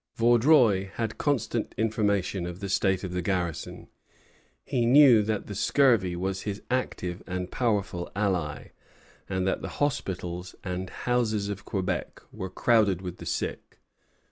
Vaudreuil had constant information of the state of the garrison. He knew that the scurvy was his active and powerful ally, and that the hospitals and houses of Quebec were crowded with the sick.